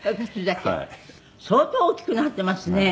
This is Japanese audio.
「相当大きくなっていますね」